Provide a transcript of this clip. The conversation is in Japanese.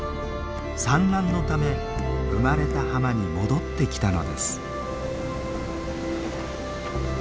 産卵のため生まれた浜に戻ってきたのです。